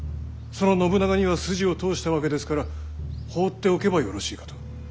その信長には筋を通したわけですから放っておけばよろしいかと。